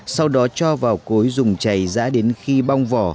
sau đó cho vào cối dùng chảy giã đến khi bong vỏ